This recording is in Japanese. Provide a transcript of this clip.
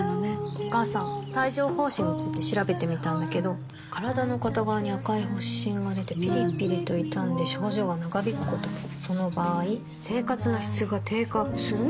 お母さん帯状疱疹について調べてみたんだけど身体の片側に赤い発疹がでてピリピリと痛んで症状が長引くこともその場合生活の質が低下する？